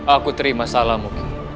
aku terima salamu